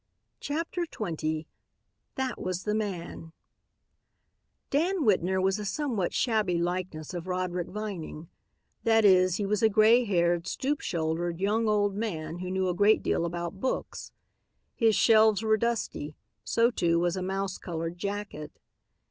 CHAPTER XX "THAT WAS THE MAN" Dan Whitner was a somewhat shabby likeness of Roderick Vining; that is, he was a gray haired, stoop shouldered, young old man who knew a great deal about books. His shelves were dusty, so too was a mouse colored jacket.